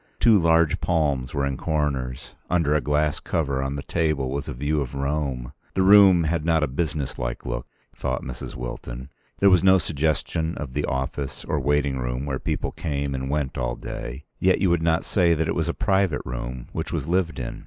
Two large palms were in corners. Under a glass cover on the table was a view of Rome. The room had not a business like look, thought Mrs. Wilton; there was no suggestion of the office or waiting room where people came and went all day; yet you would not say that it was a private room which was lived in.